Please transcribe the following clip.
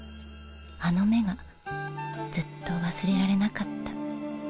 あの目がずっと忘れられなかった。